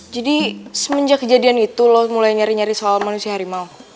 jadi semenjak kejadian itu lo mulai nyari nyari soal manusia harimau